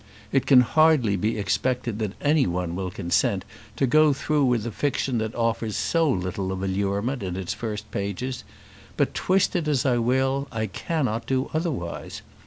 It can hardly be expected that any one will consent to go through with a fiction that offers so little of allurement in its first pages; but twist it as I will I cannot do otherwise.